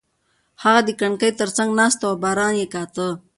هغه د کړکۍ تر څنګ ناسته وه او باران یې کاته.